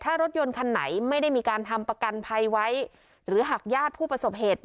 ถ้ารถยนต์คันไหนไม่ได้มีการทำประกันภัยไว้หรือหากญาติผู้ประสบเหตุ